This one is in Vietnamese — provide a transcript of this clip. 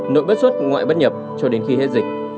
nội bất xuất ngoại bất nhập cho đến khi hết dịch